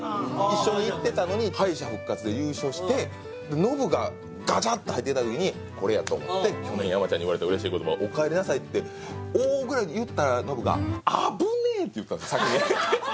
一緒に行ってたのに敗者復活で優勝してノブがガチャッて入ってきた時にこれやと思って山ちゃんに言われた嬉しい言葉をお帰りなさいって「お」ぐらい言ったらノブが危ねえーって言ったんです